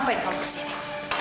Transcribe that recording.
ngapain kamu kesini